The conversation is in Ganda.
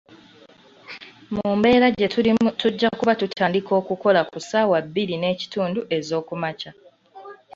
Mu mbeera gye tulimu tujja kuba tutandika okukola ku saawa bbiri n'ekitundu ez'okumakya.